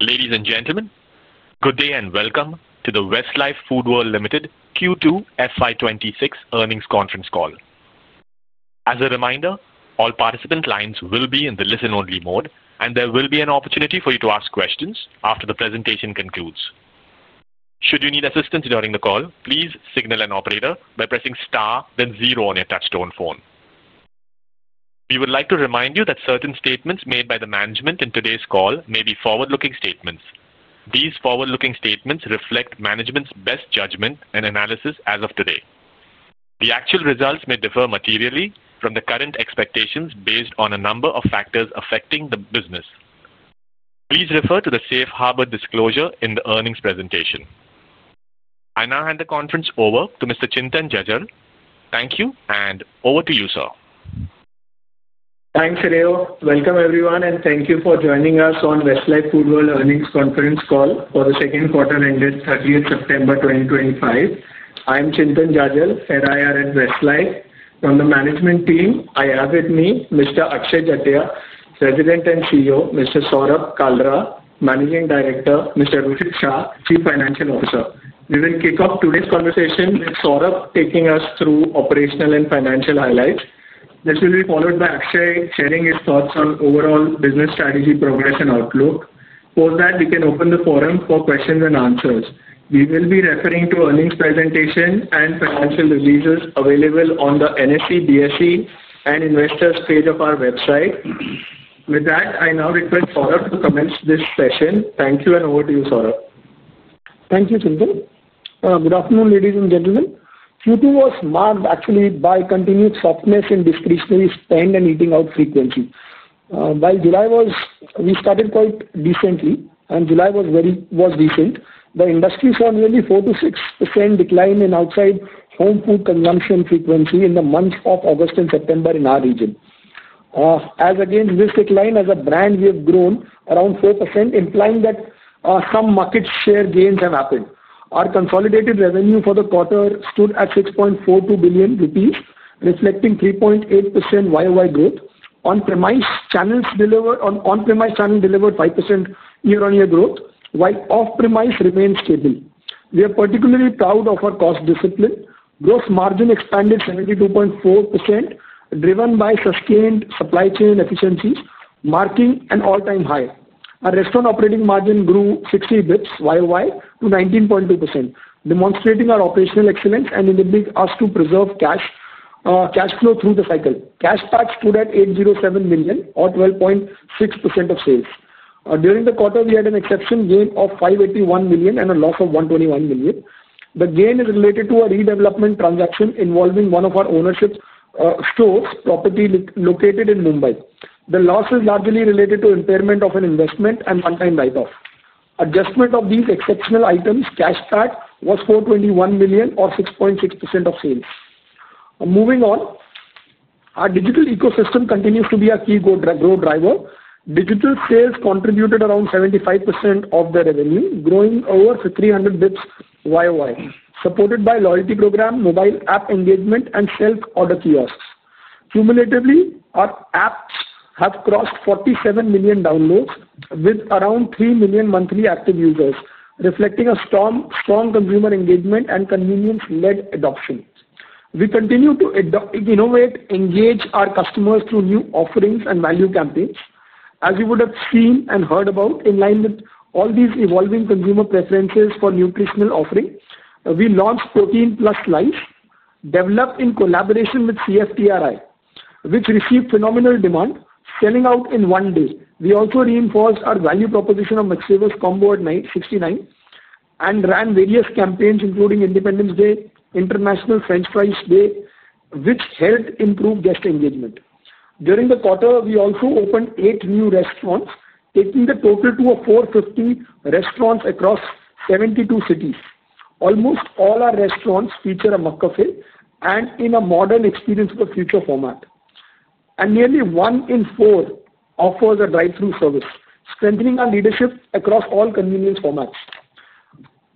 Ladies and gentlemen, good day and welcome to the Westlife Foodworld Limited Q2 FY 2026 earnings conference call. As a reminder, all participant lines will be in the listen-only mode, and there will be an opportunity for you to ask questions after the presentation concludes. Should you need assistance during the call, please signal an operator by pressing star, then zero on your touchstone phone. We would like to remind you that certain statements made by the management in today's call may be forward-looking statements. These forward-looking statements reflect management's best judgment and analysis as of today. The actual results may differ materially from the current expectations based on a number of factors affecting the business. Please refer to the safe harbor disclosure in the earnings presentation. I now hand the conference over to Mr. Chintan Jajal. Thank you, and over to you, sir. Thanks, Rayo. Welcome, everyone, and thank you for joining us on Westlife Foodworld earnings conference call for the second quarter ended 30 September 2025. I am Chintan Jajal, Head of Investor Relations at Westlife. From the management team, I have with me Mr. Akshay Jatia, President and CEO, Mr. Saurabh Kalra, Managing Director, and Mr. Hrushit Shah, Chief Financial Officer. We will kick off today's conversation with Saurabh taking us through operational and financial highlights. This will be followed by Akshay sharing his thoughts on overall business strategy, progress, and outlook. Post that, we can open the forum for questions and answers. We will be referring to earnings presentation and financial releases available on the NSE, BSE, and investors' page of our website. With that, I now request Saurabh to commence this session. Thank you, and over to you, Saurabh. Thank you, Chintan. Good afternoon, ladies and gentlemen. Q2 was marked actually by continued softness in discretionary spend and eating out frequency. While July was—we started quite decently, and July was very decent—the industry saw nearly 4%-6% decline in outside home food consumption frequency in the months of August and September in our region. As against this decline, as a brand, we have grown around 4%, implying that some market share gains have happened. Our consolidated revenue for the quarter stood at 6.42 billion rupees, reflecting 3.8% YoY growth. On-premise channel delivered 5% year-on-year growth, while off-premise remained stable. We are particularly proud of our cost discipline. Gross margin expanded to 72.4%, driven by sustained supply chain efficiency, marking an all-time high. Our restaurant operating margin grew 60 basis points YoY to 19.2%, demonstrating our operational excellence and enabling us to preserve cash flow through the cycle. Cash tax stood at 807 million, or 12.6% of sales. During the quarter, we had an exceptional gain of 581 million and a loss of 121 million. The gain is related to a redevelopment transaction involving one of our ownership stores' property located in Mumbai. The loss is largely related to impairment of an investment and one-time write-off. Adjustment of these exceptional items, cash tax was 421 million, or 6.6% of sales. Moving on. Our digital ecosystem continues to be a key growth driver. Digital sales contributed around 75% of the revenue, growing over 300 basis points YoY, supported by loyalty program, mobile app engagement, and self-order kiosks. Cumulatively, our apps have crossed 47 million downloads with around 3 million monthly active users, reflecting a strong consumer engagement and convenience-led adoption. We continue to innovate, engage our customers through new offerings and value campaigns. As you would have seen and heard about, in line with all these evolving consumer preferences for nutritional offering, we launched Protein Plus Slice, developed in collaboration with CFTRI, which received phenomenal demand, selling out in one day. We also reinforced our value proposition of McSavers Combo at 69 and ran various campaigns, including Independence Day, International French Fries Day, which helped improve guest engagement. During the quarter, we also opened eight new restaurants, taking the total to 450 restaurants across 72 cities. Almost all our restaurants feature a McCafe and in a modern, expeditable future format. Nearly one in four offers a drive-thru service, strengthening our leadership across all convenience formats.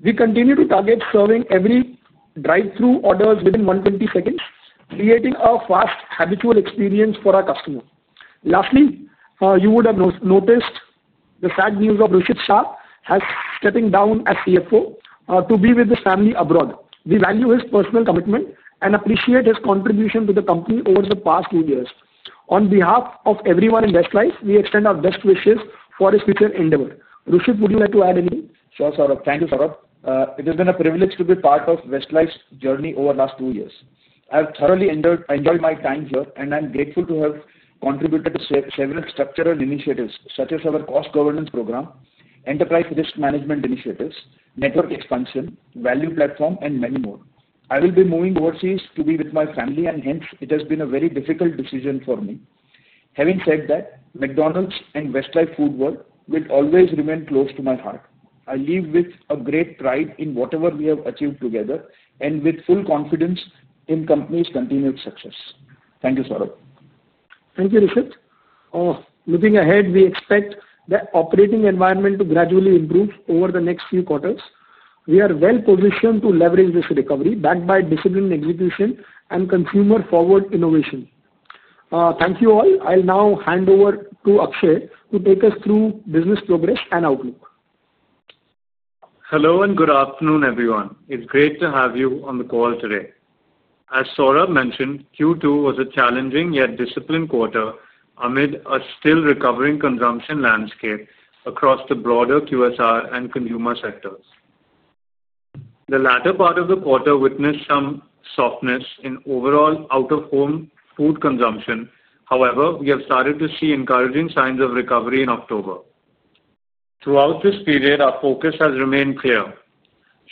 We continue to target serving every drive-thru order within 120 seconds, creating a fast, habitual experience for our customers. Lastly, you would have noticed the sad news of Hrushit Shah stepping down as CFO to be with his family abroad. We value his personal commitment and appreciate his contribution to the company over the past two years. On behalf of everyone in Westlife, we extend our best wishes for his future endeavor. Hrushit, would you like to add anything? Sure, Saurabh. Thank you, Saurabh. It has been a privilege to be part of Westlife's journey over the last two years. I have thoroughly enjoyed my time here, and I am grateful to have contributed to several structural initiatives such as our cost governance program, enterprise risk management initiatives, network expansion, value platform, and many more. I will be moving overseas to be with my family, and hence, it has been a very difficult decision for me. Having said that, McDonald's and Westlife Foodworld will always remain close to my heart. I leave with great pride in whatever we have achieved together and with full confidence in the company's continued success. Thank you, Saurabh. Thank you, Hrushit. Looking ahead, we expect the operating environment to gradually improve over the next few quarters. We are well-positioned to leverage this recovery backed by disciplined execution and consumer-forward innovation. Thank you all. I'll now hand over to Akshay to take us through business progress and outlook. Hello and good afternoon, everyone. It's great to have you on the call today. As Saurabh mentioned, Q2 was a challenging yet disciplined quarter amid a still recovering consumption landscape across the broader QSR and consumer sectors. The latter part of the quarter witnessed some softness in overall out-of-home food consumption. However, we have started to see encouraging signs of recovery in October. Throughout this period, our focus has remained clear: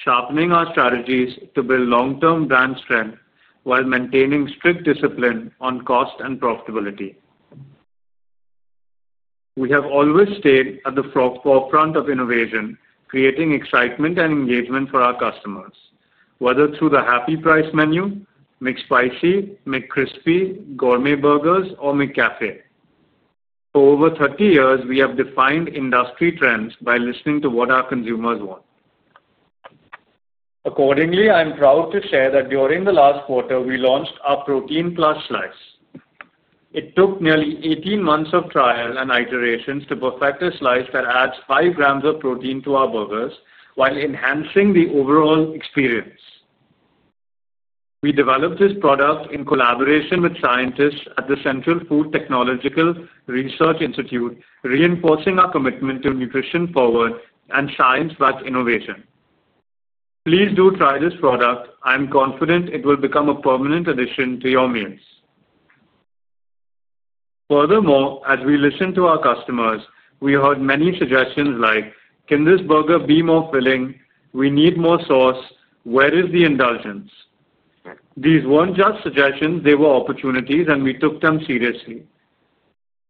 sharpening our strategies to build long-term brand strength while maintaining strict discipline on cost and profitability. We have always stayed at the forefront of innovation, creating excitement and engagement for our customers, whether through the Happy Price menu, McSpicy, McCrispy, gourmet burgers, or McCafe. For over 30 years, we have defined industry trends by listening to what our consumers want. Accordingly, I am proud to share that during the last quarter, we launched our Protein Plus Slice. It took nearly 18 months of trial and iterations to perfect a slice that adds 5 grams of protein to our burgers while enhancing the overall experience. We developed this product in collaboration with scientists at the Central Food Technological Research Institute, reinforcing our commitment to nutrition-forward and science-backed innovation. Please do try this product. I am confident it will become a permanent addition to your meals. Furthermore, as we listened to our customers, we heard many suggestions like, "Can this burger be more filling? We need more sauce. Where is the indulgence?" These weren't just suggestions; they were opportunities, and we took them seriously.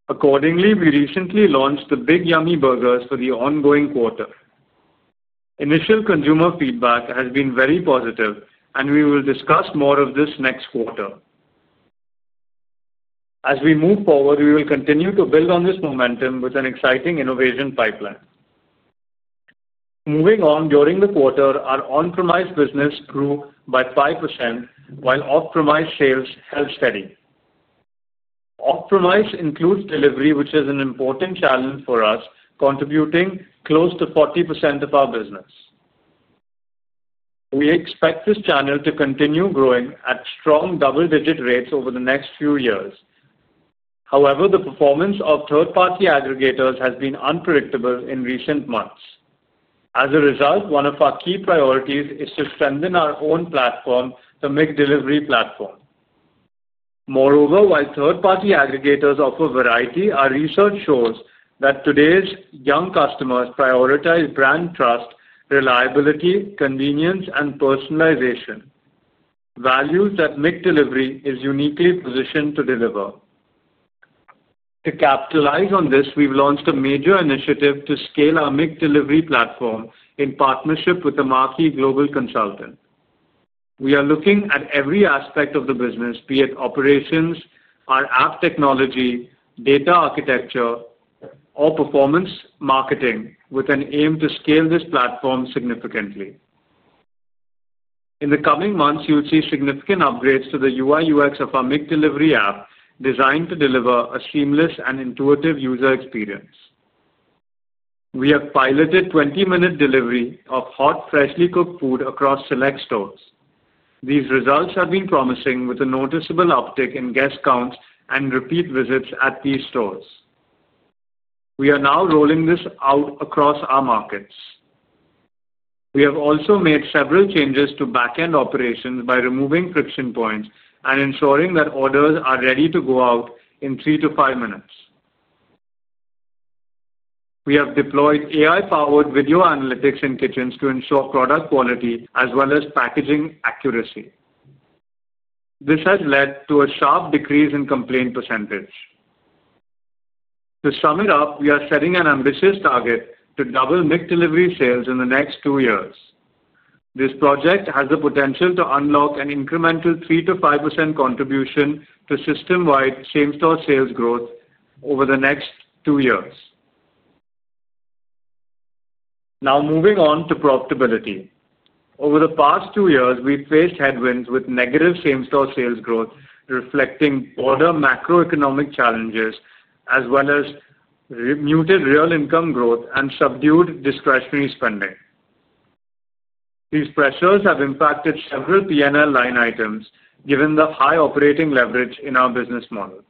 Accordingly, we recently launched the Big Yummy Burgers for the ongoing quarter. Initial consumer feedback has been very positive, and we will discuss more of this next quarter. As we move forward, we will continue to build on this momentum with an exciting innovation pipeline. Moving on, during the quarter, our on-premise business grew by 5%, while off-premise sales held steady. Off-premise includes delivery, which is an important challenge for us, contributing close to 40% of our business. We expect this channel to continue growing at strong double-digit rates over the next few years. However, the performance of third-party aggregators has been unpredictable in recent months. As a result, one of our key priorities is to strengthen our own platform, the McDelivery platform. Moreover, while third-party aggregators offer variety, our research shows that today's young customers prioritize brand trust, reliability, convenience, and personalization. Values that McDelivery is uniquely positioned to deliver. To capitalize on this, we've launched a major initiative to scale our McDelivery platform in partnership with the Markey Global Consultant. We are looking at every aspect of the business, be it operations, our app technology, data architecture, or performance marketing, with an aim to scale this platform significantly. In the coming months, you'll see significant upgrades to the UI/UX of our McDelivery app, designed to deliver a seamless and intuitive user experience. We have piloted 20-minute delivery of hot, freshly cooked food across select stores. These results have been promising, with a noticeable uptick in guest counts and repeat visits at these stores. We are now rolling this out across our markets. We have also made several changes to backend operations by removing friction points and ensuring that orders are ready to go out in three to five minutes. We have deployed AI-powered video analytics in kitchens to ensure product quality as well as packaging accuracy. This has led to a sharp decrease in complaint percentage. To sum it up, we are setting an ambitious target to double McDelivery sales in the next two years. This project has the potential to unlock an incremental 3%-5% contribution to system-wide same-store sales growth over the next two years. Now, moving on to profitability. Over the past two years, we've faced headwinds with negative same-store sales growth, reflecting broader macroeconomic challenges as well as muted real income growth and subdued discretionary spending. These pressures have impacted several P&L line items, given the high operating leverage in our business model.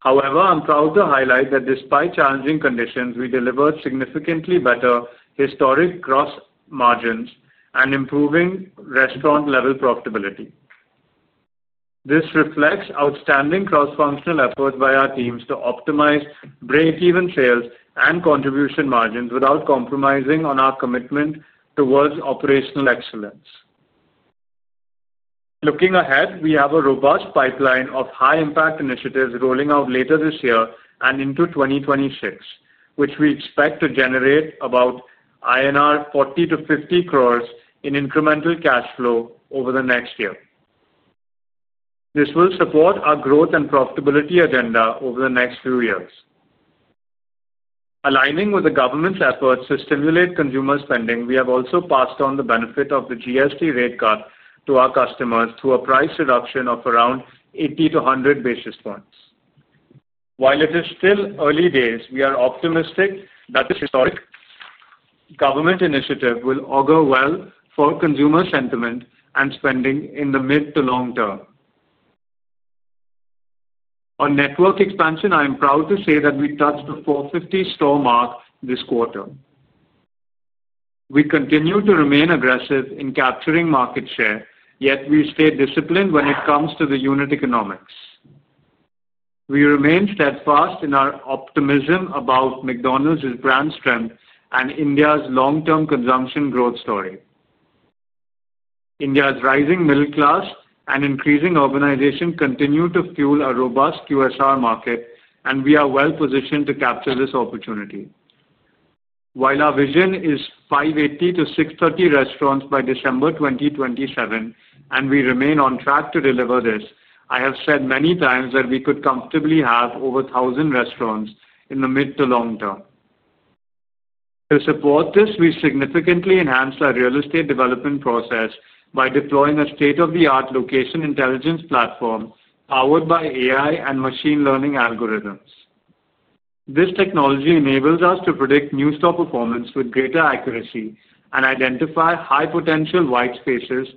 However, I'm proud to highlight that despite challenging conditions, we delivered significantly better historic gross margins and improving restaurant-level profitability. This reflects outstanding cross-functional efforts by our teams to optimize breakeven sales and contribution margins without compromising on our commitment towards operational excellence. Looking ahead, we have a robust pipeline of high-impact initiatives rolling out later this year and into 2026, which we expect to generate about 40-50 crore INR in incremental cash flow over the next year. This will support our growth and profitability agenda over the next few years. Aligning with the government's efforts to stimulate consumer spending, we have also passed on the benefit of the GST rate cut to our customers through a price reduction of around 80-100 basis points. While it is still early days, we are optimistic that this historic government initiative will augur well for consumer sentiment and spending in the mid to long-term. On network expansion, I am proud to say that we touched the 450 store mark this quarter. We continue to remain aggressive in capturing market share, yet we stay disciplined when it comes to the unit economics. We remain steadfast in our optimism about McDonald's brand strength and India's long-term consumption growth story. India's rising middle class and increasing urbanization continue to fuel a robust QSR market, and we are well-positioned to capture this opportunity. While our vision is 580-630 restaurants by December 2027, and we remain on track to deliver this, I have said many times that we could comfortably have over 1,000 restaurants in the mid to long-term. To support this, we significantly enhanced our real estate development process by deploying a state-of-the-art location intelligence platform powered by AI and machine learning algorithms. This technology enables us to predict new store performance with greater accuracy and identify high-potential white spaces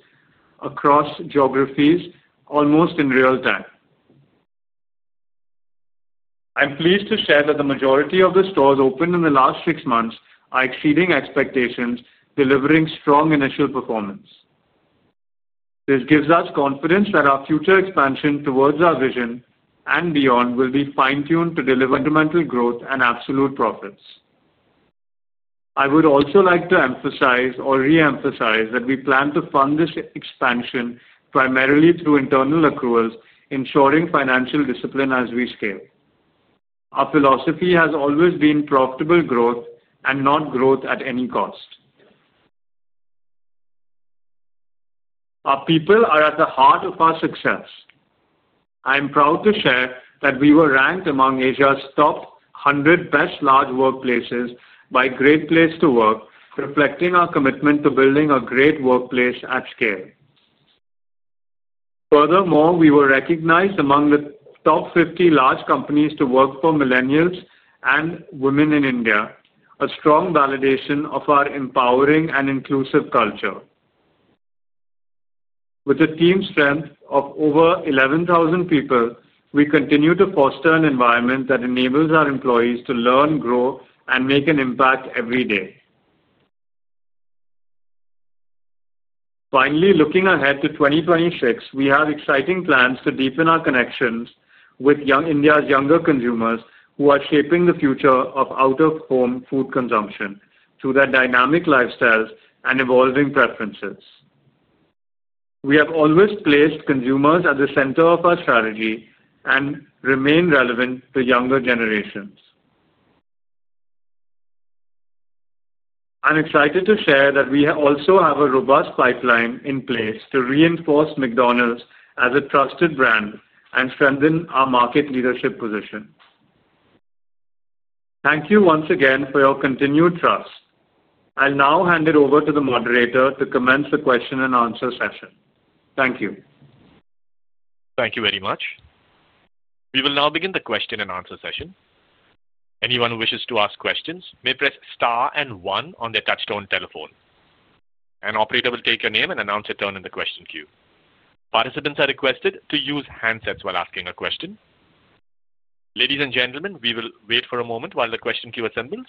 across geographies almost in real time. I'm pleased to share that the majority of the stores opened in the last six months are exceeding expectations, delivering strong initial performance. This gives us confidence that our future expansion towards our vision and beyond will be fine-tuned to deliver incremental growth and absolute profits. I would also like to emphasize or re-emphasize that we plan to fund this expansion primarily through internal accruals, ensuring financial discipline as we scale. Our philosophy has always been profitable growth and not growth at any cost. Our people are at the heart of our success. I am proud to share that we were ranked among Asia's top 100 best large workplaces by Great Place to Work, reflecting our commitment to building a great workplace at scale. Furthermore, we were recognized among the top 50 large companies to work for millennials and women in India, a strong validation of our empowering and inclusive culture. With a team strength of over 11,000 people, we continue to foster an environment that enables our employees to learn, grow, and make an impact every day. Finally, looking ahead to 2026, we have exciting plans to deepen our connections with India's younger consumers who are shaping the future of out-of-home food consumption through their dynamic lifestyles and evolving preferences. We have always placed consumers at the center of our strategy and remain relevant to younger generations. I'm excited to share that we also have a robust pipeline in place to reinforce McDonald's as a trusted brand and strengthen our market leadership position. Thank you once again for your continued trust. I'll now hand it over to the moderator to commence the question-and-answer session. Thank you. Thank you very much. We will now begin the question-and-answer session. Anyone who wishes to ask questions may press star and one on their touchstone telephone. An operator will take your name and announce your turn in the question queue. Participants are requested to use handsets while asking a question. Ladies and gentlemen, we will wait for a moment while the question queue assembles.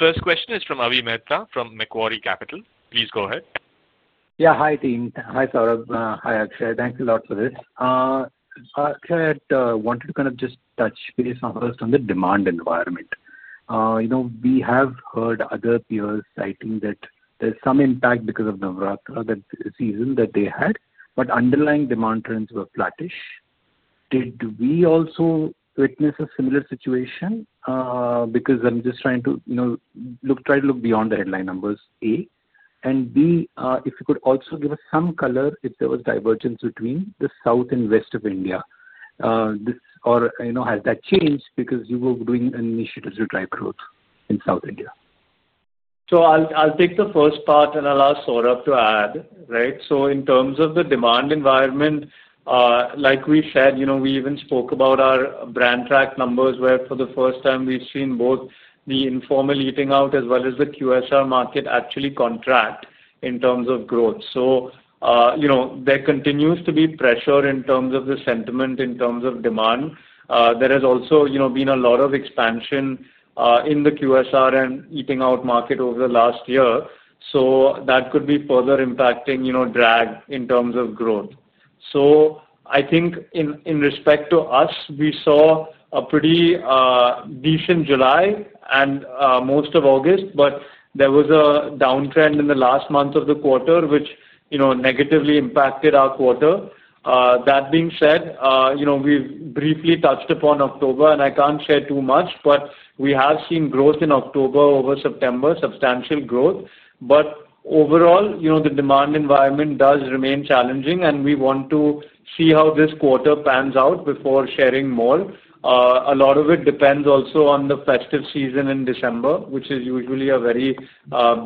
The first question is from Avi Mehta from Macquarie Capital. Please go ahead. Yeah, hi, team. Hi, Saurabh. Hi, Akshay. Thanks a lot for this. Akshay, I had wanted to kind of just touch base on first on the demand environment. We have heard other peers citing that there's some impact because of Navratri season that they had, but underlying demand trends were flattish. Did we also witness a similar situation? Because I'm just trying to look beyond the headline numbers. A, and B, if you could also give us some color if there was divergence between the south and west of India. Or has that changed because you were doing initiatives to drive growth in South India? I'll take the first part, and I'll ask Saurabh to add, right? In terms of the demand environment, like we said, we even spoke about our brand track numbers where for the first time we've seen both the informal eating out as well as the QSR market actually contract in terms of growth. There continues to be pressure in terms of the sentiment, in terms of demand. There has also been a lot of expansion in the QSR and eating out market over the last year. That could be further impacting drag in terms of growth. I think in respect to us, we saw a pretty decent July and most of August, but there was a downtrend in the last month of the quarter, which negatively impacted our quarter. That being said, we've briefly touched upon October, and I can't share too much, but we have seen growth in October over September, substantial growth. Overall, the demand environment does remain challenging, and we want to see how this quarter pans out before sharing more. A lot of it depends also on the festive season in December, which is usually a very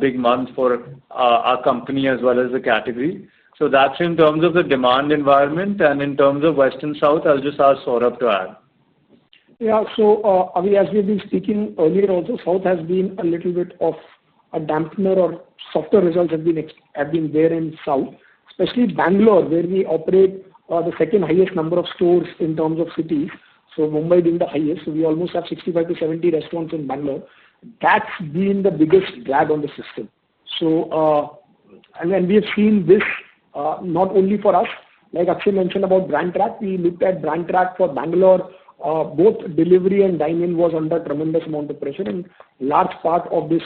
big month for our company as well as the category. That's in terms of the demand environment. In terms of west and south, I'll just ask Saurabh to add. Yeah, so Avi, as we've been speaking earlier, also south has been a little bit of a dampener or softer results have been there in south, especially Bangalore, where we operate the second highest number of stores in terms of cities. Mumbai being the highest, so we almost have 65-70 restaurants in Bangalore. That's been the biggest drag on the system. We have seen this not only for us. Like Akshay mentioned about brand track, we looked at brand track for Bangalore. Both delivery and dine-in was under a tremendous amount of pressure, and a large part of this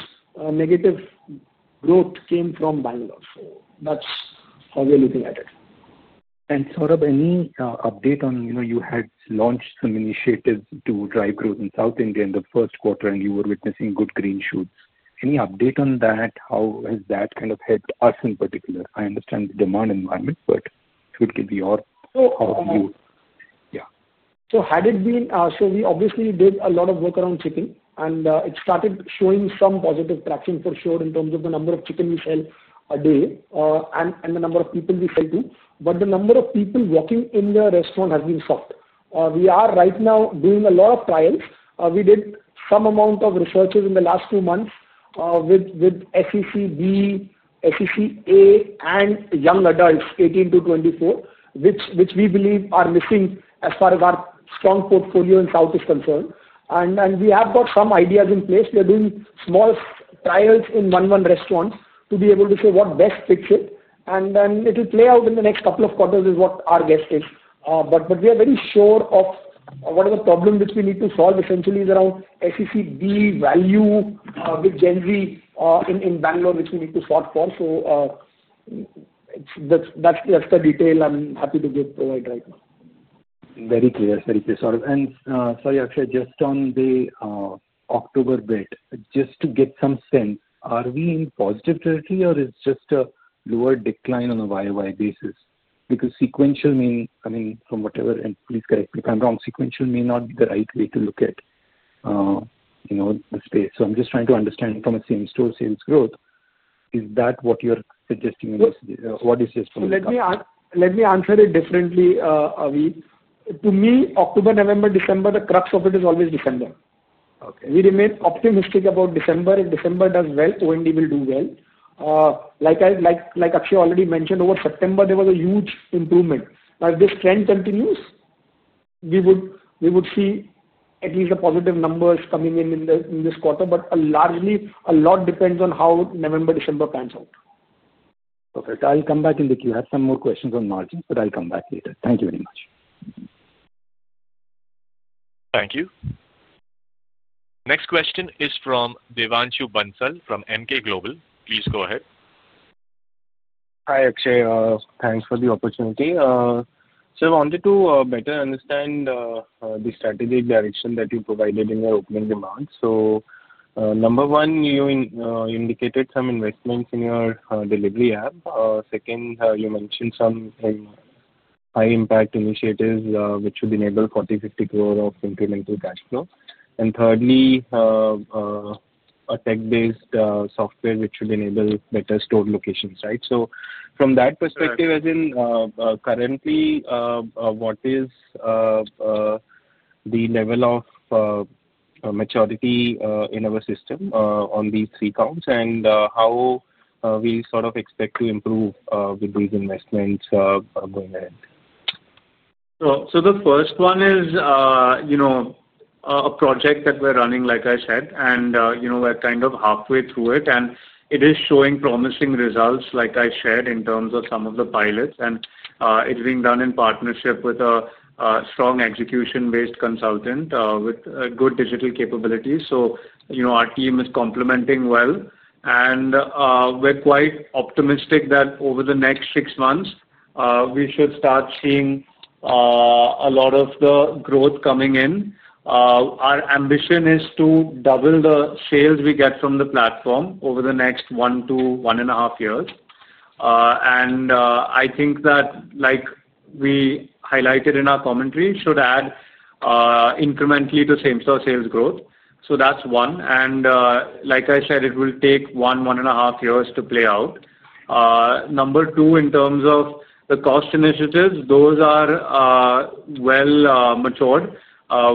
negative growth came from Bangalore. That's how we're looking at it. Saurabh, any update on you had launched some initiatives to drive growth in South India in the first quarter, and you were witnessing good green shoots? Any update on that? How has that kind of helped us in particular? I understand the demand environment, but if we could give your view. So how. Yeah. Had it been, we obviously did a lot of work around chicken, and it started showing some positive traction for sure in terms of the number of chicken we sell a day and the number of people we sell to. The number of people walking in the restaurant has been soft. We are right now doing a lot of trials. We did some amount of research in the last two months with SEC B, SEC A, and young adults, 18 to 24, which we believe are missing as far as our strong portfolio in South is concerned. We have got some ideas in place. We are doing small trials in one-one restaurants to be able to show what best fits it. It will play out in the next couple of quarters is what our guess is. We are very sure of whatever problem which we need to solve, essentially is around SEC B value with Gen Z in Bangalore, which we need to sort for. That is the detail I am happy to provide right now. Very clear. Very clear, Saurabh. Sorry, Akshay, just on the October bit, just to get some sense, are we in positive territory or is it just a lower decline on a YoY basis? Because sequential, I mean, from whatever, and please correct me if I'm wrong, sequential may not be the right way to look at the space. I'm just trying to understand from a same-store sales growth, is that what you're suggesting in this? What is this? Let me answer it differently, Avi. To me, October, November, December, the crux of it is always December. We remain optimistic about December. If December does well, O&D will do well. Like Akshay already mentioned, over September, there was a huge improvement. Now, if this trend continues, we would see at least the positive numbers coming in in this quarter. Largely, a lot depends on how November, December pans out. Perfect. I'll come back in the queue. I have some more questions on margins, but I'll come back later. Thank you very much. Thank you. Next question is from Devanshu Bansal from Emkay Global. Please go ahead. Hi, Akshay. Thanks for the opportunity. I wanted to better understand the strategic direction that you provided in your opening remarks. Number one, you indicated some investments in your delivery app. Second, you mentioned some high-impact initiatives which would enable 40-50 crore of incremental cash flow. Thirdly, a tech-based software which would enable better store locations, right? From that perspective, as in currently, what is the level of maturity in our system on these three counts, and how do we sort of expect to improve with these investments going ahead? The first one is a project that we're running, like I said, and we're kind of halfway through it. It is showing promising results, like I shared, in terms of some of the pilots. It is being done in partnership with a strong execution-based consultant with good digital capabilities. Our team is complementing well. We're quite optimistic that over the next six months, we should start seeing a lot of the growth coming in. Our ambition is to double the sales we get from the platform over the next one to one and a half years. I think that, like we highlighted in our commentary, should add incrementally to same-store sales growth. That's one. Like I said, it will take one, one and a half years to play out. Number two, in terms of the cost initiatives, those are well matured.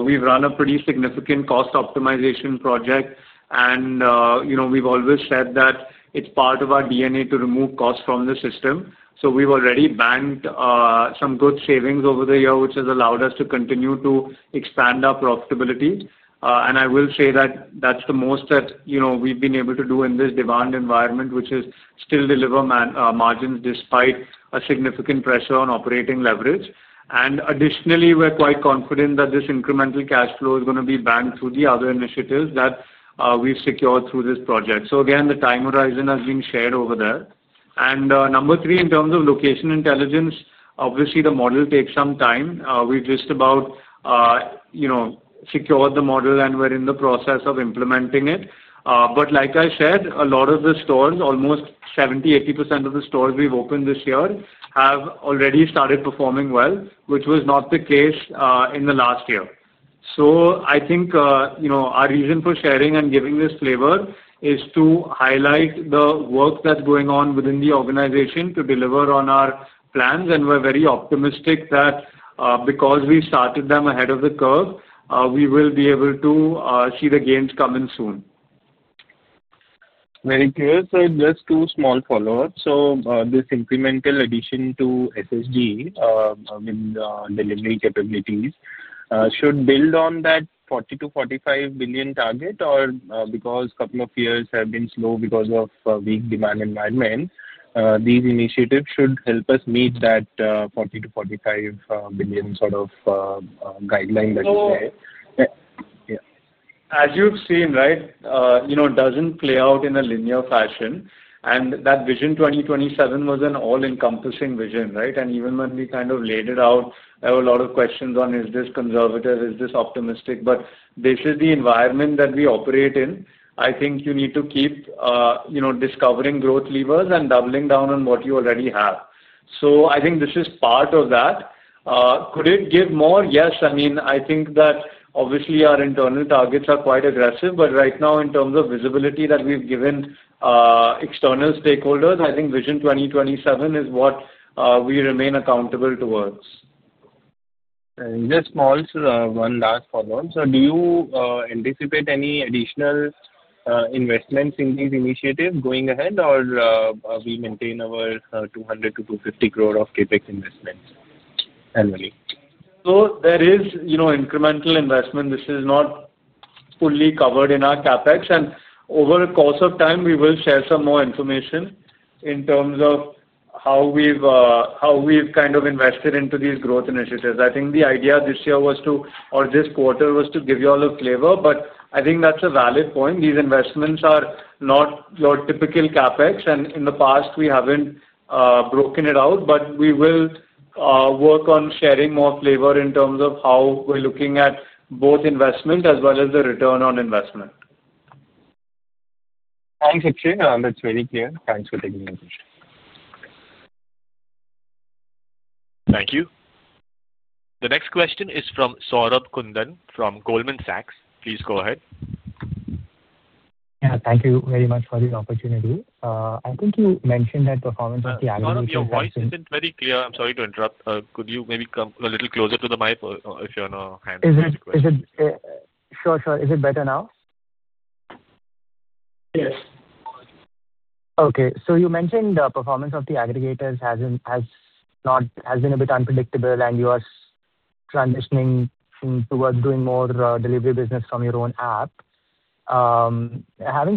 We've run a pretty significant cost optimization project. We've always said that it's part of our DNA to remove cost from the system. We've already banked some good savings over the year, which has allowed us to continue to expand our profitability. I will say that that's the most that we've been able to do in this demand environment, which is still deliver margins despite significant pressure on operating leverage. Additionally, we're quite confident that this incremental cash flow is going to be banked through the other initiatives that we've secured through this project. Again, the time horizon has been shared over there. Number three, in terms of location intelligence, obviously the model takes some time. We've just about secured the model, and we're in the process of implementing it. Like I said, a lot of the stores, almost 70%-80% of the stores we've opened this year have already started performing well, which was not the case in the last year. I think our reason for sharing and giving this flavor is to highlight the work that's going on within the organization to deliver on our plans. We're very optimistic that because we started them ahead of the curve, we will be able to see the gains come in soon. Very clear. Just two small follow-ups. This incremental addition to SSG, I mean, delivery capabilities should build on that 40 billion-45 billion target, or because a couple of years have been slow because of a weak demand environment, these initiatives should help us meet that 40 billion-45 billion sort of guideline that you say. As you've seen, right. It doesn't play out in a linear fashion. That Vision 2027 was an all-encompassing vision, right? Even when we kind of laid it out, there were a lot of questions on, is this conservative? Is this optimistic? This is the environment that we operate in. I think you need to keep discovering growth levers and doubling down on what you already have. I think this is part of that. Could it give more? Yes. I mean, I think that obviously our internal targets are quite aggressive. Right now, in terms of visibility that we've given external stakeholders, I think Vision 2027 is what we remain accountable towards. Just one last follow-up. Do you anticipate any additional investments in these initiatives going ahead, or will we maintain our 200 crore-250 crore of CapEx investments annually? There is incremental investment. This is not fully covered in our CapEx. Over the course of time, we will share some more information in terms of how we've kind of invested into these growth initiatives. I think the idea this year was to, or this quarter was to give you all a flavor. I think that's a valid point. These investments are not your typical CapEx. In the past, we haven't broken it out, but we will work on sharing more flavor in terms of how we're looking at both investment as well as the return on investment. Thanks, Akshay. That's very clear. Thanks for taking my question. Thank you. The next question is from Saurabh Kundan from Goldman Sachs. Please go ahead. Yeah, thank you very much for the opportunity. I think you mentioned that performance of the aggregators. No, your voice isn't very clear. I'm sorry to interrupt. Could you maybe come a little closer to the mic if you're not handling the question? Is it? Sure, sure. Is it better now? Yes. Okay. So you mentioned the performance of the aggregators has been a bit unpredictable, and you are transitioning towards doing more delivery business from your own app. Having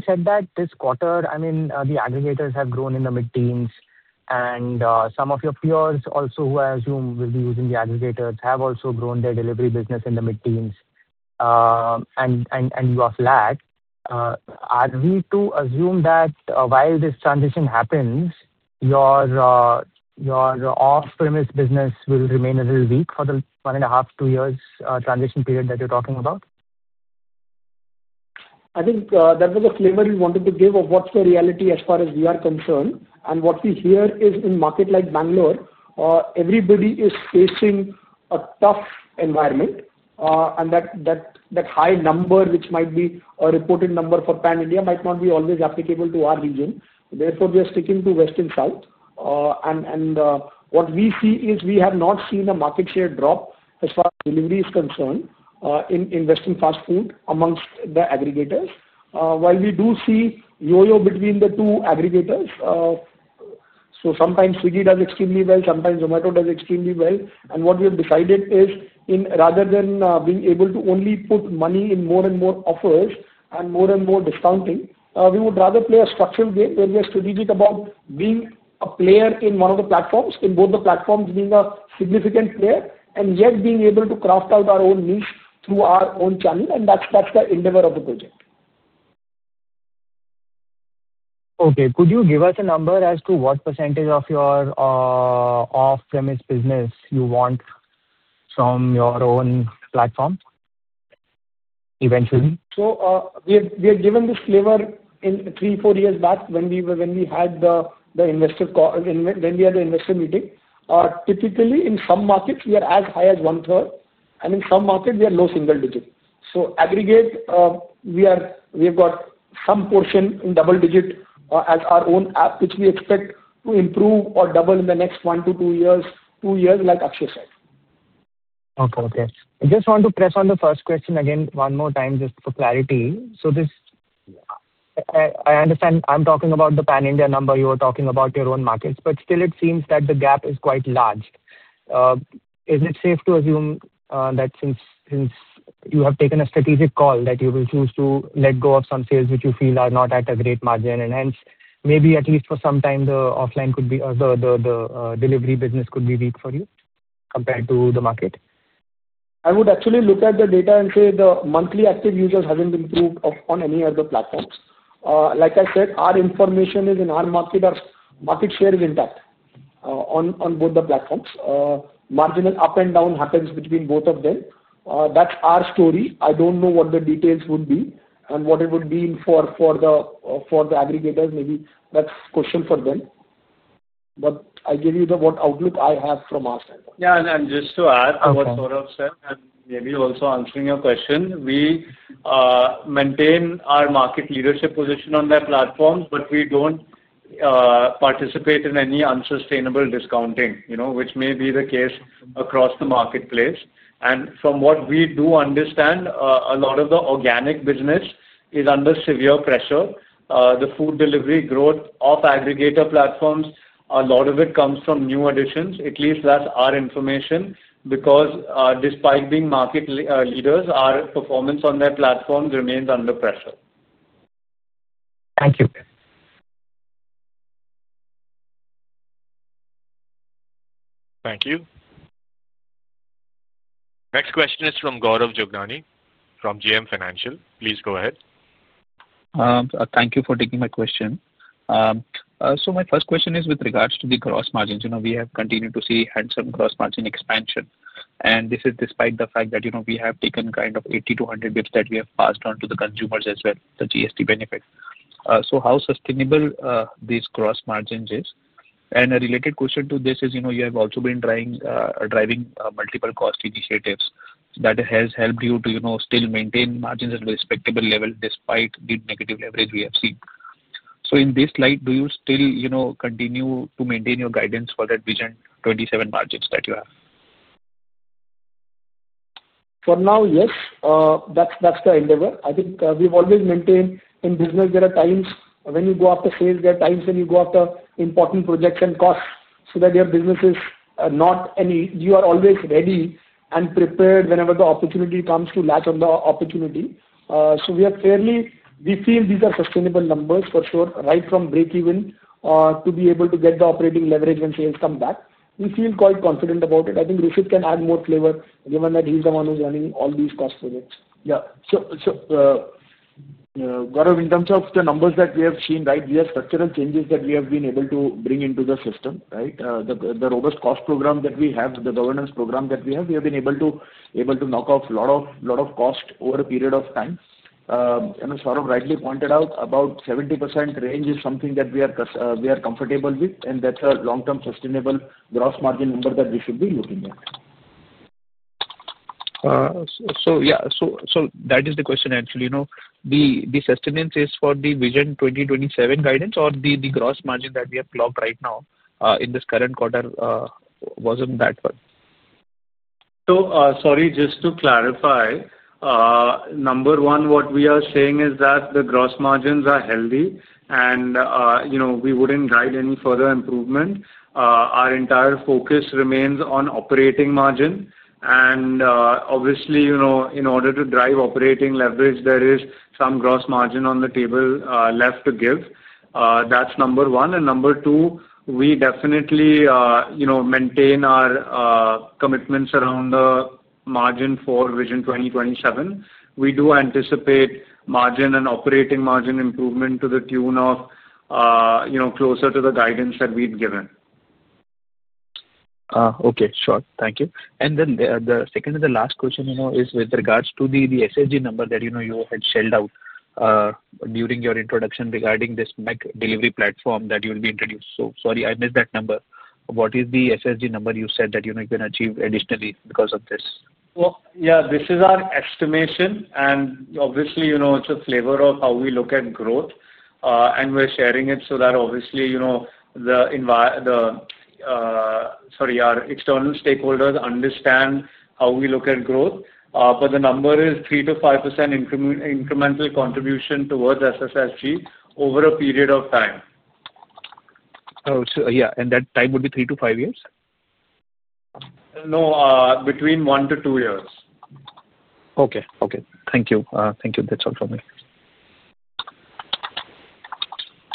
said that, this quarter, I mean, the aggregators have grown in the mid-teens, and some of your peers also, who I assume will be using the aggregators, have also grown their delivery business in the mid-teens. And you are flat. Are we to assume that while this transition happens, your off-premise business will remain a little weak for the one and a half, two years transition period that you're talking about? I think that was a flavor we wanted to give of what's the reality as far as we are concerned. What we hear is in markets like Bangalore, everybody is facing a tough environment. That high number, which might be a reported number for Pan India, might not be always applicable to our region. Therefore, we are sticking to West and South. What we see is we have not seen a market share drop as far as delivery is concerned in West and fast food amongst the aggregators. While we do see yo-yo between the two aggregators. Sometimes Swiggy does extremely well, sometimes Zomato does extremely well. What we have decided is, rather than being able to only put money in more and more offers and more and more discounting, we would rather play a structural game where we are strategic about being a player in one of the platforms, in both the platforms being a significant player, and yet being able to craft out our own niche through our own channel. That is the endeavor of the project. Okay. Could you give us a number as to what percentage of your off-premise business you want from your own platform eventually? We had given this flavor three, four years back when we had the investor call, when we had the investor meeting. Typically, in some markets, we are as high as one-third. In some markets, we are low single digit. Aggregate, we have got some portion in double digit as our own app, which we expect to improve or double in the next one to two years, two years, like Akshay said. Okay, okay. I just want to press on the first question again one more time, just for clarity. I understand I'm talking about the Pan India number. You were talking about your own markets. Still, it seems that the gap is quite large. Is it safe to assume that since you have taken a strategic call that you will choose to let go of some sales which you feel are not at a great margin and hence maybe at least for some time the offline could be or the delivery business could be weak for you compared to the market? I would actually look at the data and say the monthly active users haven't improved on any of the platforms. Like I said, our information is in our market. Our market share is intact. On both the platforms, marginal up and down happens between both of them. That's our story. I don't know what the details would be and what it would mean for the aggregators. Maybe that's a question for them. I give you the outlook I have from our standpoint. Yeah. Just to add to what Saurabh said and maybe also answering your question, we maintain our market leadership position on their platforms, but we do not participate in any unsustainable discounting, which may be the case across the marketplace. From what we do understand, a lot of the organic business is under severe pressure. The food delivery growth of aggregator platforms, a lot of it comes from new additions. At least that is our information because despite being market leaders, our performance on their platforms remains under pressure. Thank you. Thank you. Next question is from Gaurav Jogani from JM Financial. Please go ahead. Thank you for taking my question. My first question is with regards to the gross margins. We have continued to see handsome gross margin expansion. This is despite the fact that we have taken kind of 80-100 basis points that we have passed on to the consumers as well, the GST benefits. How sustainable are these gross margins? A related question to this is you have also been driving multiple cost initiatives that have helped you to still maintain margins at a respectable level despite the negative leverage we have seen. In this light, do you still continue to maintain your guidance for that Vision 2027 margins that you have? For now, yes. That's the endeavor. I think we've always maintained in business, there are times when you go after sales, there are times when you go after important projects and costs so that your business is not any, you are always ready and prepared whenever the opportunity comes to latch on the opportunity. We have clearly, we feel these are sustainable numbers for sure, right from breakeven to be able to get the operating leverage when sales come back. We feel quite confident about it. I think Hrushit can add more flavor given that he's the one who's running all these cost projects. Yeah. Gaurav, in terms of the numbers that we have seen, right, we have structural changes that we have been able to bring into the system, right? The robust cost program that we have, the governance program that we have, we have been able to knock off a lot of cost over a period of time. As Saurabh rightly pointed out, about 70% range is something that we are comfortable with, and that's a long-term sustainable gross margin number that we should be looking at. Yeah. That is the question, actually. The sustenance is for the Vision 2027 guidance or the gross margin that we have clocked right now in this current quarter? Wasn't that one? Sorry, just to clarify. Number one, what we are saying is that the gross margins are healthy, and we would not guide any further improvement. Our entire focus remains on operating margin. Obviously, in order to drive operating leverage, there is some gross margin on the table left to give. That is number one. Number two, we definitely maintain our commitments around the margin for Vision 2027. We do anticipate margin and operating margin improvement to the tune of closer to the guidance that we have given. Okay. Sure. Thank you. Then the second and the last question is with regards to the SSG number that you had shelled out. During your introduction regarding this McDelivery platform that you will be introduced. Sorry, I missed that number. What is the SSG number you said that you can achieve additionally because of this? Yeah, this is our estimation. Obviously, it's a flavor of how we look at growth. We're sharing it so that our external stakeholders understand how we look at growth. The number is 3%-5% incremental contribution towards SSSG over a period of time. Oh, yeah. That time would be three to five years? No, between one and two years. Okay. Thank you. Thank you. That's all from me.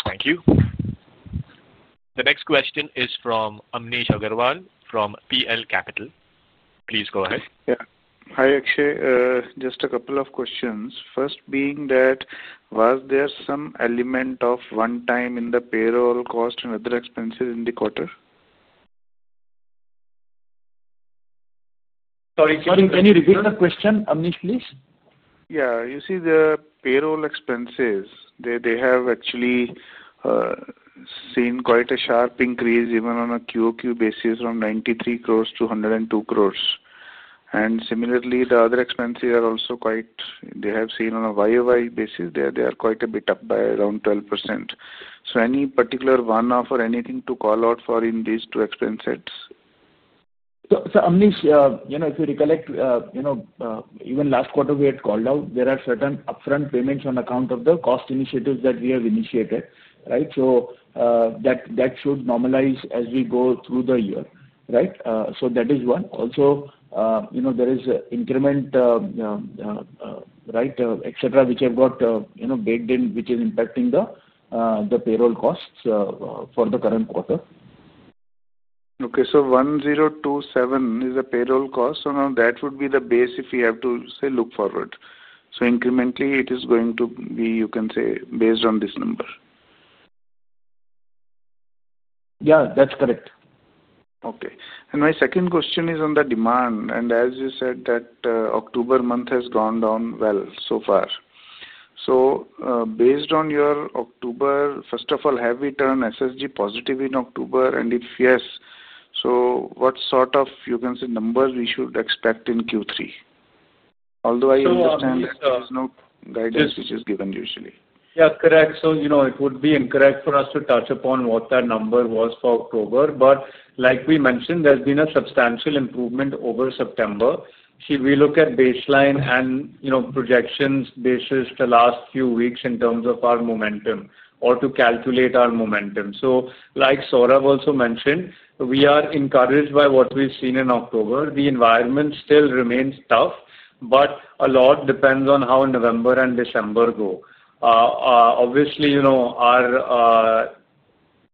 Thank you. The next question is from Amnish Aggarwal from PL Capital. Please go ahead. Yeah. Hi, Akshay. Just a couple of questions. First being that. Was there some element of one-time in the payroll cost and other expenses in the quarter? Sorry, can you repeat the question, Amnish, please? Yeah. You see, the payroll expenses, they have actually seen quite a sharp increase, even on a QoQ basis from 930 million-1,020 million. Similarly, the other expenses are also quite, they have seen on a YoY basis, they are quite a bit up by around 12%. Any particular one-off or anything to call out for in these two expense sets? Amnish, if you recollect, even last quarter we had called out, there are certain upfront payments on account of the cost initiatives that we have initiated, right? That should normalize as we go through the year, right? That is one. Also, there is increment, right, etc., which have got baked in, which is impacting the payroll costs for the current quarter. Okay. So 1,027 is a payroll cost. So now that would be the base if we have to say look forward. So incrementally, it is going to be, you can say, based on this number. Yeah, that's correct. Okay. My second question is on the demand. As you said, that October month has gone down well so far. Based on your October, first of all, have we turned SSG positive in October? If yes, what sort of, you can say, numbers should we expect in Q3? Although I understand that there is no guidance which is given usually. Yeah, correct. It would be incorrect for us to touch upon what that number was for October. Like we mentioned, there has been a substantial improvement over September. We look at baseline and projections based on the last few weeks in terms of our momentum or to calculate our momentum. Like Saurabh also mentioned, we are encouraged by what we have seen in October. The environment still remains tough, but a lot depends on how November and December go. Obviously, our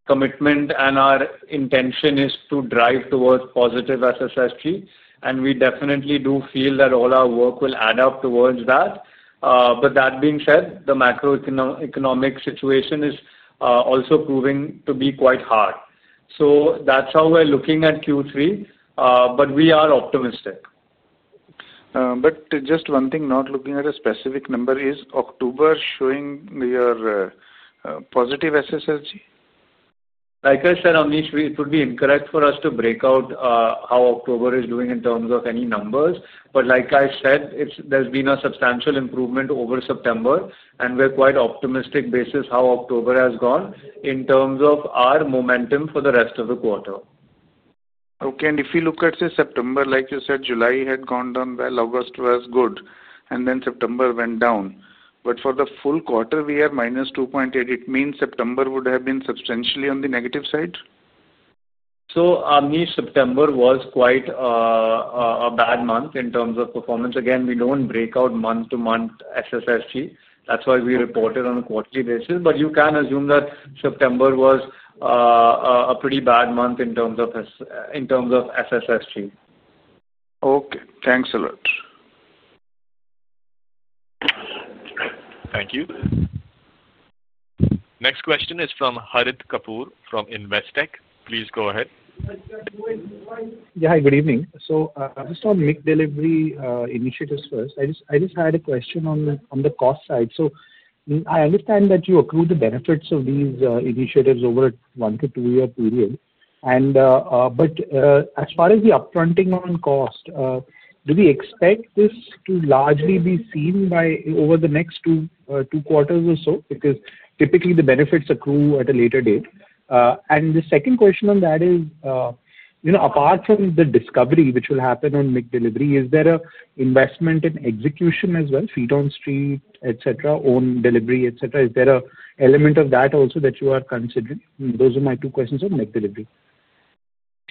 commitment and our intention is to drive towards positive SSSG. We definitely do feel that all our work will add up towards that. That being said, the macroeconomic situation is also proving to be quite hard. That is how we are looking at Q3. We are optimistic. Just one thing, not looking at a specific number, is October showing your positive SSSG? Like I said, Amnish, it would be incorrect for us to break out how October is doing in terms of any numbers. Like I said, there has been a substantial improvement over September. We are quite optimistic based on how October has gone in terms of our momentum for the rest of the quarter. Okay. If we look at, say, September, like you said, July had gone down well, August was good, and September went down. For the full quarter, we are -2.8%. It means September would have been substantially on the negative side? Amnish, September was quite a bad month in terms of performance. Again, we do not break out month-to-month SSSG. That is why we report it on a quarterly basis. You can assume that September was a pretty bad month in terms of SSSG. Okay. Thanks a lot. Thank you. Next question is from Harith Kapoor from Investec. Please go ahead. Yeah, hi, good evening. Just on McDelivery initiatives first, I just had a question on the cost side. I understand that you accrue the benefits of these initiatives over a one to two-year period. As far as the upfronting on cost, do we expect this to largely be seen over the next two quarters or so? Typically, the benefits accrue at a later date. The second question on that is, apart from the discovery which will happen on McDelivery, is there an investment in execution as well? Feet on street, etc., own delivery, etc. Is there an element of that also that you are considering? Those are my two questions on McDelivery.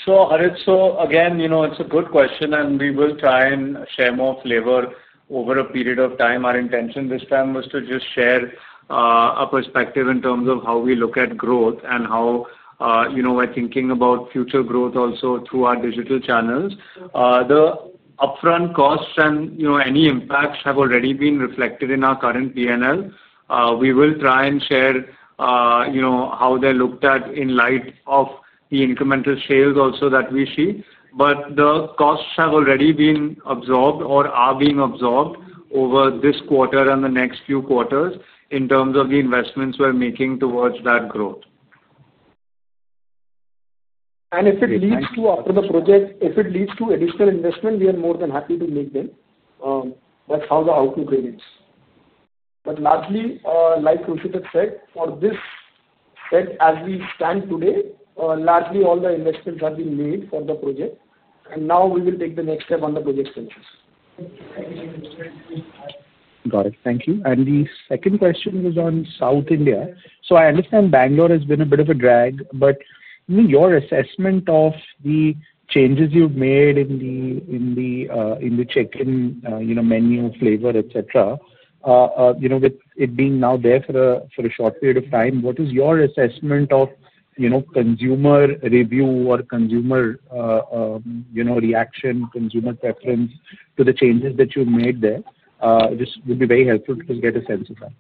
Harith, again, it's a good question, and we will try and share more flavor over a period of time. Our intention this time was to just share a perspective in terms of how we look at growth and how we're thinking about future growth also through our digital channels. The upfront costs and any impacts have already been reflected in our current P&L. We will try and share how they're looked at in light of the incremental sales also that we see. The costs have already been absorbed or are being absorbed over this quarter and the next few quarters in terms of the investments we're making towards that growth. If it leads to after the project, if it leads to additional investment, we are more than happy to make them. That is how the outlook remains. Largely, like Hrushit had said, for this. As we stand today, largely all the investments have been made for the project. Now we will take the next step on the project's basis. Got it. Thank you. The second question was on South India. I understand Bangalore has been a bit of a drag, but your assessment of the changes you've made in the check-in menu flavor, etc. With it being now there for a short period of time, what is your assessment of consumer review or consumer reaction, consumer preference to the changes that you've made there? It would be very helpful to just get a sense of that.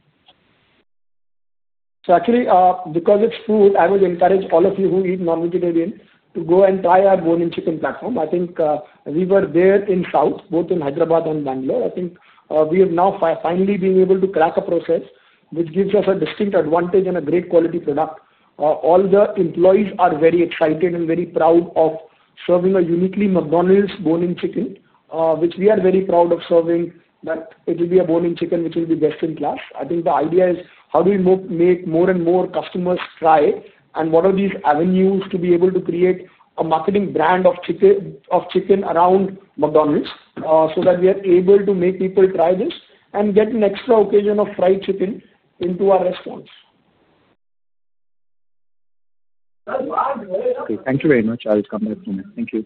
Actually, because it's food, I would encourage all of you who eat non-vegetarian to go and try our bone-in-chicken platform. I think we were there in South, both in Hyderabad and Bangalore. I think we have now finally been able to crack a process which gives us a distinct advantage and a great quality product. All the employees are very excited and very proud of serving a uniquely McDonald's bone-in-chicken, which we are very proud of serving, that it will be a bone-in-chicken which will be best in class. I think the idea is, how do we make more and more customers try it? What are these avenues to be able to create a marketing brand of chicken around McDonald's so that we are able to make people try this and get an extra occasion of fried chicken into our response? Okay. Thank you very much. I'll come back to that. Thank you.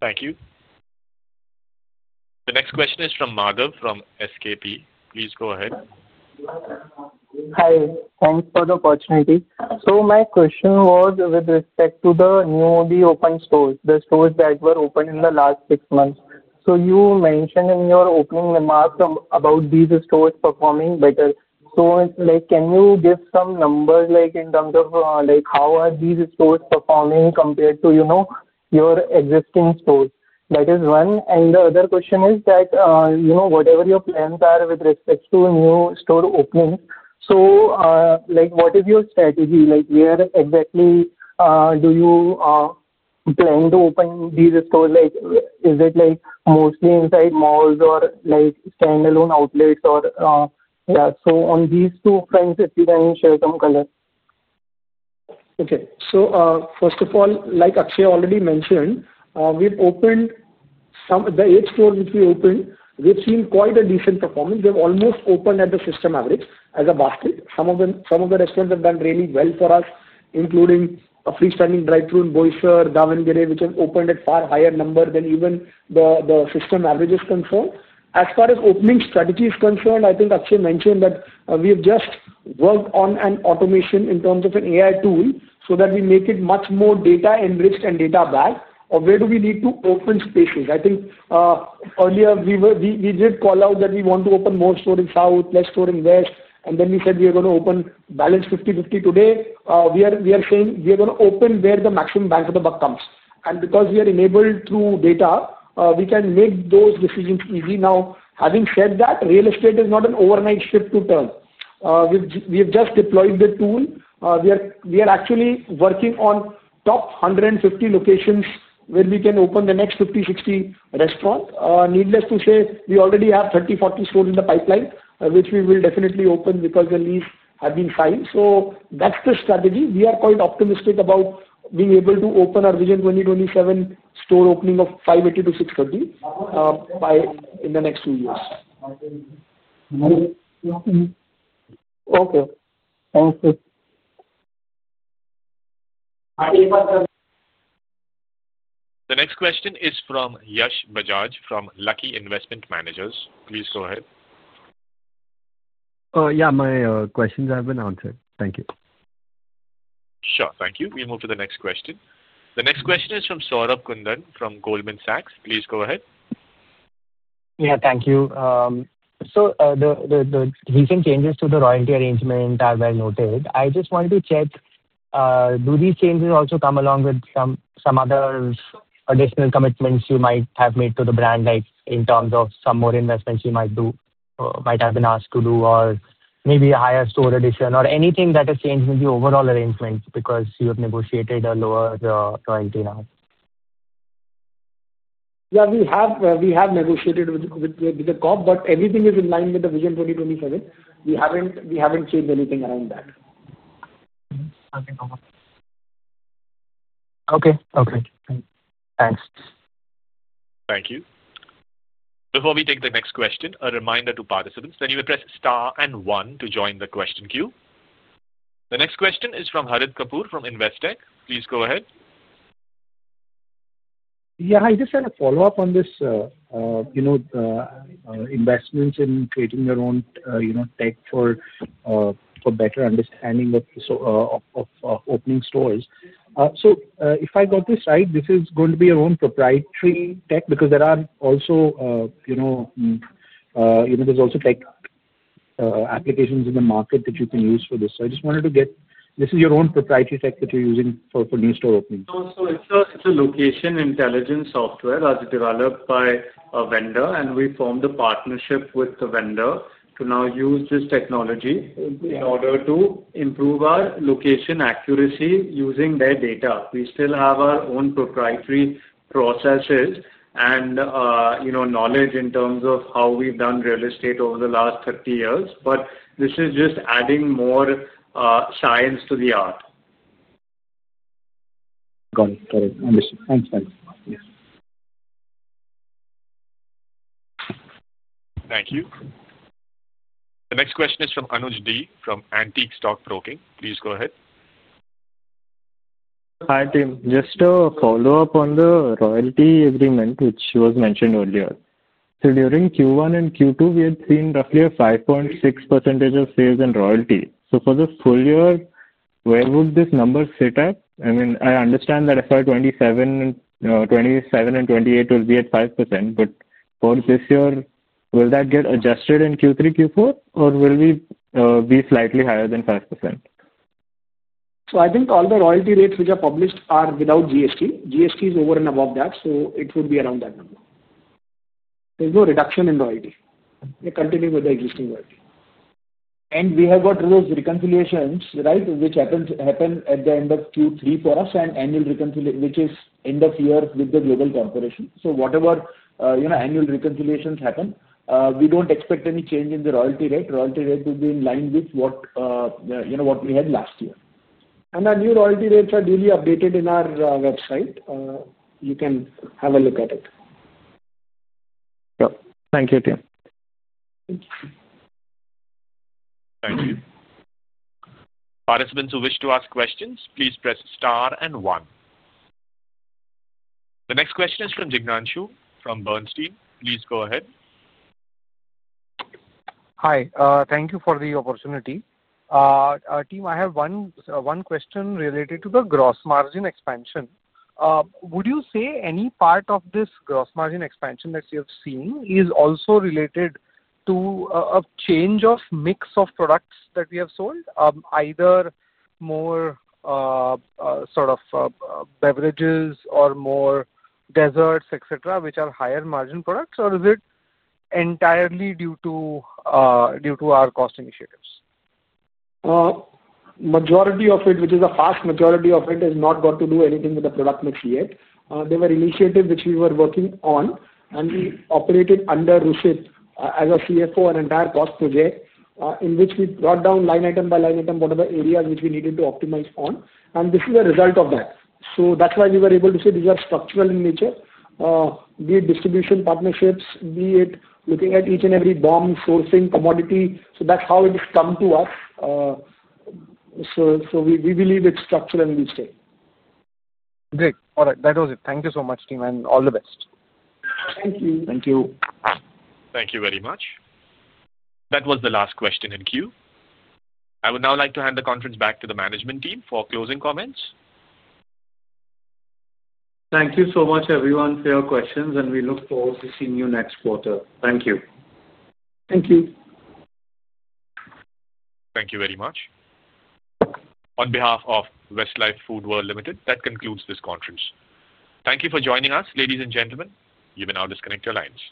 Thank you. The next question is from Madhav from SKP. Please go ahead. Hi. Thanks for the opportunity. My question was with respect to the newly opened stores, the stores that were opened in the last six months. You mentioned in your opening remarks about these stores performing better. Can you give some numbers in terms of how these stores are performing compared to your existing stores? That is one. The other question is that whatever your plans are with respect to new store openings, what is your strategy? Where exactly do you plan to open these stores? Is it mostly inside malls or standalone outlets? Yeah. On these two fronts, if you can share some color. Okay. So first of all, like Akshay already mentioned, we've opened. The eight stores which we opened, we've seen quite a decent performance. They've almost opened at the system average as a basket. Some of the restaurants have done really well for us, including a freestanding drive-thru in Boisar, Davanagere, which have opened at far higher numbers than even the system average is concerned. As far as opening strategy is concerned, I think Akshay mentioned that we have just worked on an automation in terms of an AI tool so that we make it much more data-enriched and data-based. Where do we need to open spaces? I think earlier, we did call out that we want to open more stores in South, less stores in West. And then we said we are going to open balance 50-50. Today we are saying we are going to open where the maximum bang for the buck comes. Because we are enabled through data, we can make those decisions easy. Now, having said that, real estate is not an overnight shift to turn. We have just deployed the tool. We are actually working on top 150 locations where we can open the next 50-60 restaurants. Needless to say, we already have 30-40 stores in the pipeline, which we will definitely open because the leads have been fine. That's the strategy. We are quite optimistic about being able to open our Vision 2027 store opening of 580-630 in the next few years. Okay. Thank you. The next question is from Yash Bajaj from Lucky Investment Managers. Please go ahead. Yeah, my questions have been answered. Thank you. Sure. Thank you. We'll move to the next question. The next question is from Saurabh Kundan from Goldman Sachs. Please go ahead. Yeah, thank you. The recent changes to the royalty arrangement are well noted. I just wanted to check. Do these changes also come along with some other additional commitments you might have made to the brand, like in terms of some more investments you might have been asked to do, or maybe a higher store addition, or anything that has changed in the overall arrangement because you have negotiated a lower royalty now? Yeah, we have negotiated with the corp, but everything is in line with the Vision 2027. We haven't changed anything around that. Okay. Okay. Thanks. Thank you. Before we take the next question, a reminder to participants that you may press star and one to join the question queue. The next question is from Harith Kapoor from Investec. Please go ahead. Yeah, I just had a follow-up on this. Investments in creating your own tech for better understanding of opening stores. If I got this right, this is going to be your own proprietary tech because there are also tech applications in the market that you can use for this. I just wanted to get this is your own proprietary tech that you're using for new store openings. It is a location intelligence software that is developed by a vendor. We formed a partnership with the vendor to now use this technology in order to improve our location accuracy using their data. We still have our own proprietary processes and knowledge in terms of how we have done real estate over the last 30 years. This is just adding more science to the art. Got it. Understood. Thanks. Thank you. The next question is from Anuj D from Antique Stock Broking. Please go ahead. Hi team. Just a follow-up on the royalty agreement, which was mentioned earlier. During Q1 and Q2, we had seen roughly 5.6% of sales in royalty. For the full year, where would this number sit at? I mean, I understand that FY 2027-2028 will be at 5%, but for this year, will that get adjusted in Q3, Q4, or will we be slightly higher than 5%? I think all the royalty rates which are published are without GST. GST is over and above that, so it would be around that number. There's no reduction in royalty. They continue with the existing royalty. We have got those reconciliations, right, which happen at the end of Q3 for us and annual reconciliation, which is end of year with the global corporation. Whatever annual reconciliations happen, we don't expect any change in the royalty rate. The royalty rate will be in line with what we had last year. Our new royalty rates are daily updated in our website. You can have a look at it. Yeah. Thank you, team. Thank you. Thank you. Participants who wish to ask questions, please press star and one. The next question is from Jignanshu from Bernstein. Please go ahead. Hi. Thank you for the opportunity. Team, I have one question related to the gross margin expansion. Would you say any part of this gross margin expansion that you have seen is also related to a change of mix of products that we have sold, either more sort of beverages or more desserts, etc., which are higher margin products, or is it entirely due to our cost initiatives? Majority of it, which is a vast majority of it, has not got to do anything with the product mix yet. There were initiatives which we were working on, and we operated under Hrushit as a CFO and entire cost project in which we brought down line item by line item whatever areas which we needed to optimize on. And this is the result of that. That's why we were able to say these are structural in nature, be it distribution partnerships, be it looking at each and every BOM, sourcing, commodity. That's how it has come to us. We believe it's structural in this way. Great. All right. That was it. Thank you so much, team, and all the best. Thank you. Thank you. Thank you very much. That was the last question in queue. I would now like to hand the conference back to the management team for closing comments. Thank you so much, everyone, for your questions, and we look forward to seeing you next quarter. Thank you. Thank you. Thank you very much. On behalf of Westlife Foodworld Limited, that concludes this conference. Thank you for joining us, ladies and gentlemen. You may now disconnect your lines.